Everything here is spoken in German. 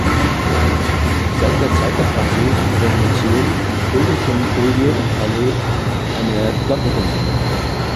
Seit der Zeit der Französischen Revolution bildeten Oye und Pallet eine Doppelgemeinde.